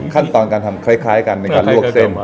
ขั้นตอนการทำคล้ายกันในการลวกเส้น